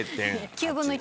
９分の１。